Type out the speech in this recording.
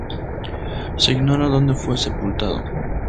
Se ignora donde fue sepultado.